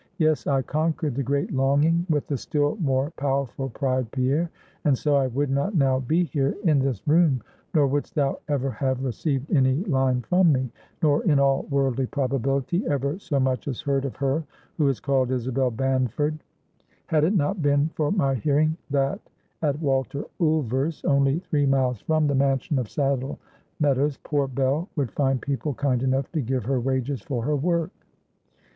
Yes, I conquered the great longing with the still more powerful pride, Pierre; and so I would not now be here, in this room, nor wouldst thou ever have received any line from me; nor, in all worldly probability, ever so much as heard of her who is called Isabel Banford, had it not been for my hearing that at Walter Ulver's, only three miles from the mansion of Saddle Meadows, poor Bell would find people kind enough to give her wages for her work.